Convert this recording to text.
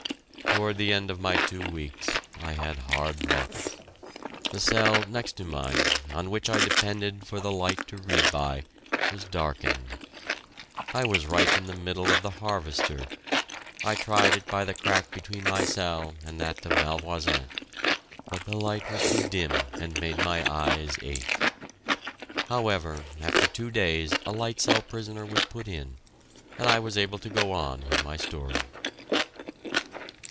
Toward the end of my two weeks I had hard luck. The cell next to mine, on which I depended for the light to read by, was darkened. I was right in the middle of "The Harvester." I tried it by the crack between my cell and that of Malvoisin, but the light was too dim and made my eyes ache. However, after two days a light cell prisoner was put in, and I was able to go on with my story.